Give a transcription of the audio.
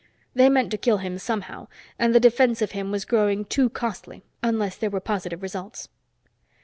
They meant to kill him somehow, and the defense of him was growing too costly unless there were positive results.